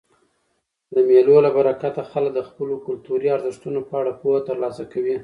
د مېلو له برکته خلک د خپلو کلتوري ارزښتو په اړه پوهه ترلاسه کوي.